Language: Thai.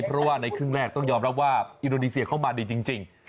เพราะว่าในครึ่งแรกต้องยอมรับว่าอินโดนีเซียเข้ามาดีจริง